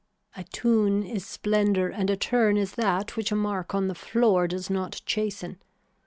A tune is splendor and a turn is that which a mark on the floor does not chasten.